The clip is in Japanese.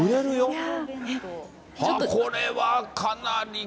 これは、かなり。